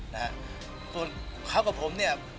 น่ะเพิ่งเขากับผมเนี่ย